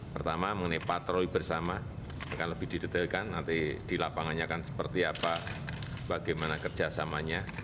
pertama mengenai patroli bersama akan lebih didetailkan nanti di lapangannya akan seperti apa bagaimana kerjasamanya